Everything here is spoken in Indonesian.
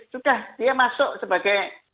sudah dia masuk sebagai